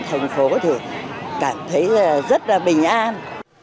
đồng phố thì cảm thấy là rất là bình an